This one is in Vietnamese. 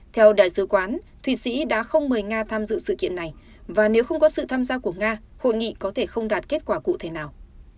theo đại sứ quán thụy sĩ đã không mời nga tham dự sự kiện này và nếu không có sự tham gia của nga hội nghị có thể không đạt kết quả cụ thể nào